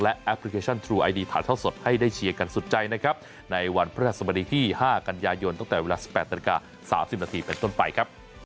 และแอปพลิเคชันทรูไอดีถ่ายเท่าสดให้ได้เชียร์กันสุดใจนะครับในวันพระราชสมดีที่๕กันยายนตั้งแต่เวลา๑๘นาฬิกา๓๐นาทีเป็นต้นไปครับ